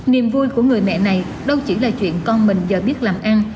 niềm vui của người mẹ này đâu chỉ là chuyện con mình giờ biết làm ăn